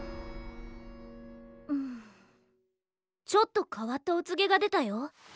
うんちょっと変わったお告げが出たよ。